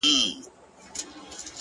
له ما پـرته وبـــل چــــــاتــــــه-